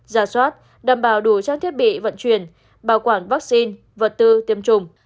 giả soát đảm bảo đủ trang thiết bị vận chuyển bảo quản vaccine vật tư tiêm chủng